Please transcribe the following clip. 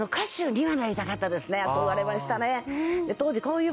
憧れましたね。